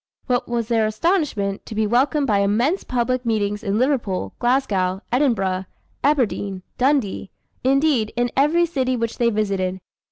What was their astonishment, to be welcomed by immense public meetings in Liverpool, Glasgow, Edinburgh, Aberdeen, Dundee; indeed, in every city which they visited.